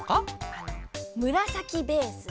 あのむらさきベースに。